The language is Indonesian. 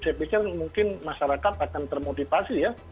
saya pikir mungkin masyarakat akan termotivasi ya